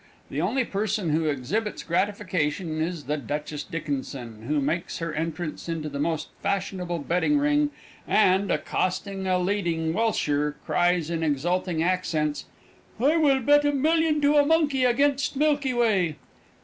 The only person who exhibits gratification is the Duchess Dickinson, who makes her entrance into the most fashionable betting ring and, accosting a leading welsher, cries in exulting accents: "I will bet a million to a monkey against Milky Way!"